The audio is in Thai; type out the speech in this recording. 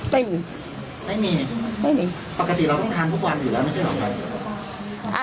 ไม่มีไม่มีไม่มีปกติเราต้องทานทุกวันอยู่แล้วไม่ใช่หรอครับ